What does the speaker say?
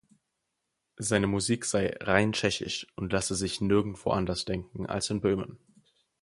Seine Musik sei „rein tschechisch“ und lasse sich nirgendwo anders denken als in Böhmen.